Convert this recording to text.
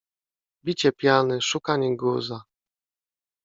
Bicie piany, szukanie guza.